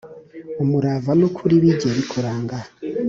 Umurava n’ukuri bijye bikuranga